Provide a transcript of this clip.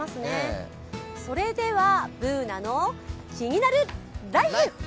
それでは、「ＢｏｏｎａのキニナルＬＩＦＥ」。